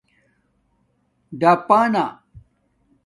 ڈپݳنہ